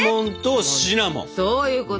そういうこと。